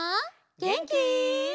げんき？